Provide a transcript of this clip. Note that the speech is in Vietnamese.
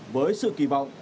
với sự kỳ vọng